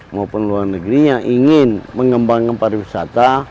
maupun luar negeri yang ingin mengembangkan pariwisata